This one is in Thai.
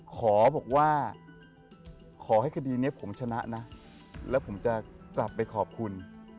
ขอบอกว่าขอให้คดีนี้ผมชนะนะแล้วผมจะกลับไปขอบคุณ